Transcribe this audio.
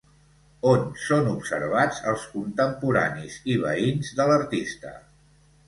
On són observats els contemporanis i veïns de l'artista?